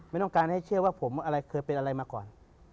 ไม่ต้องการให้เชื่อว่าผมอะไรเคยเป็นอะไรมาก่อน